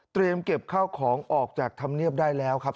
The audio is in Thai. เก็บข้าวของออกจากธรรมเนียบได้แล้วครับ